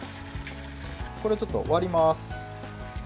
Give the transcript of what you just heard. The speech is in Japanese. これ、ちょっと割ります。